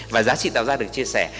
và giá trị tạo ra được chia sẻ